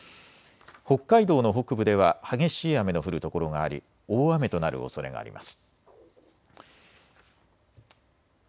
北海道の北部では激しい雨の降る所があり大雨となるおそれがあります。